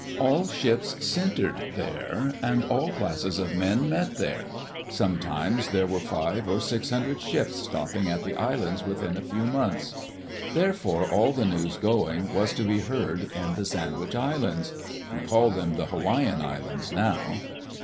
All ships centered there, and all classes of men met there. Sometimes there were five or six hundred ships stopping at the islands within a few months. Therefore all the news going was to be heard in the Sandwich Islands. We call them the Hawaiian Islands now.